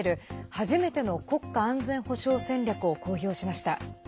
初めての国家安全保障戦略を公表しました。